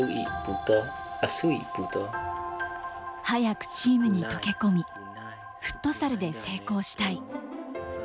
早くチームに溶け込み、フットサルで成功したい。